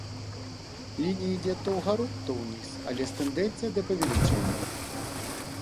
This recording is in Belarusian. Лінія ідзе то ўгару, то ўніз, але з тэндэнцыяй да павелічэння.